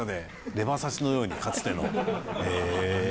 レバ刺しのようにかつての。